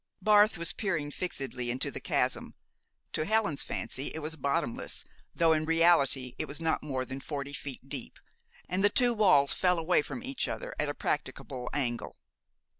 Barth was peering fixedly into the chasm. To Helen's fancy it was bottomless, though in reality it was not more than forty feet deep, and the two walls fell away from each other at a practicable angle.